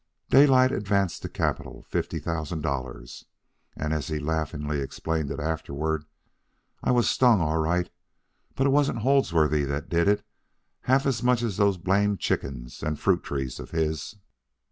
Daylight advanced the capital, fifty thousand dollars, and, as he laughingly explained afterward, "I was stung, all right, but it wasn't Holdsworthy that did it half as much as those blamed chickens and fruit trees of his."